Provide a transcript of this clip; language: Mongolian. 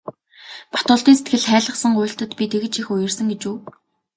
Батболдын сэтгэл хайлгасан гуйлтад би тэгж их уярсан гэж үү.